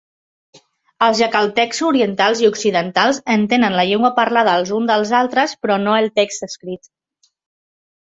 Els jakalteks orientals i occidentals entenen la llengua parlada els uns dels altres, però no el text escrit.